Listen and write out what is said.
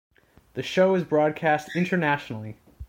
The show is broadcast internationally.